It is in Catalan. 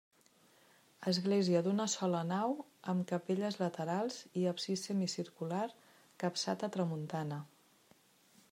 Església d'una sola nau amb capelles laterals i absis semicircular capçat a tramuntana.